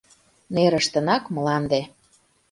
— Нерыштынак мланде!